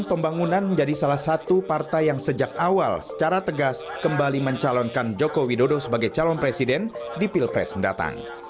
pembangunan menjadi salah satu partai yang sejak awal secara tegas kembali mencalonkan joko widodo sebagai calon presiden di pilpres mendatang